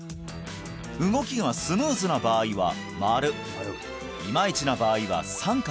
動きがスムーズな場合は「○」いまいちな場合は「△」